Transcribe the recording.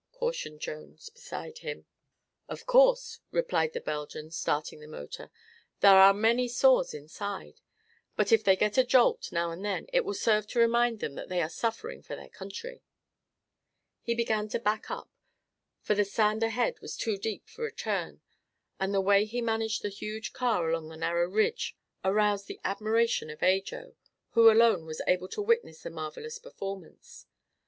cautioned Jones, beside him. "Of course," replied the Belgian, starting the motor; "there are many sores inside. But if they get a jolt, now and then, it will serve to remind them that they are suffering for their country." He began to back up, for the sand ahead was too deep for a turn, and the way he managed the huge car along that narrow ridge aroused the admiration of Ajo, who alone was able to witness the marvelous performance.